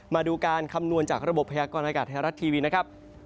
มาดูการคำนวณจากระบบพยากรณากาศไทยรัฐทีวีนะครับ